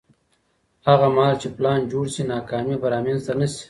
هغه مهال چې پلان جوړ شي، ناکامي به رامنځته نه شي.